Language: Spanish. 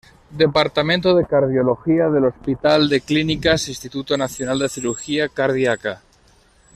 Departamento de Cardiología del Hospital de Clínicas e Instituto Nacional de Cirugía Cardíaca.